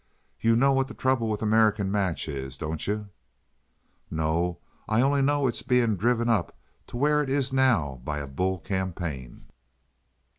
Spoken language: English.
"You know what the trouble with American Match is, don't you?" "No. I only know it's being driven up to where it is now by a bull campaign."